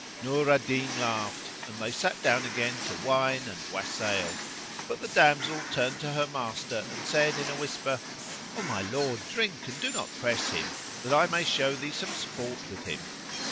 Nur al Din laughed and they sat down again to wine and wassail, but the damsel turned to her master and said in a whisper, "O my lord, drink and do not press him, that I may show thee some sport with him."